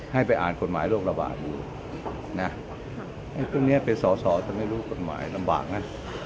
ให้ไปอ่านกฎหมายโลกระบาดให้พวกนี้ไปสอดถ้าไม่รู้กฎหมายลำบากนะ